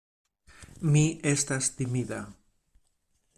Mi estas timida.